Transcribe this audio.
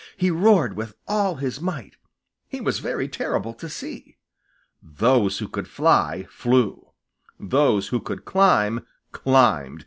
He roared with all his might! He was very terrible to see. Those who could fly, flew. Those who could climb, climbed.